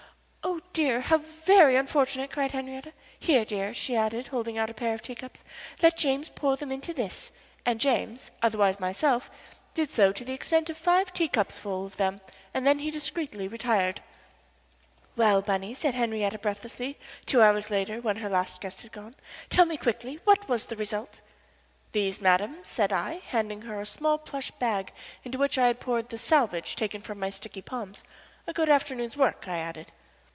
"Oh, dear, how very unfortunate!" cried Henriette. "Here, dear," she added, holding out a pair of teacups. "Let James pour them into this," and James, otherwise myself, did so to the extent of five teacups full of them and then he discreetly retired. "Well, Bunny," said Henriette, breathlessly, two hours later when her last guest had gone. "Tell me quickly what was the result?" "These, madam," said I, handing her a small plush bag into which I had poured the "salvage" taken from my sticky palms. "A good afternoon's work," I added.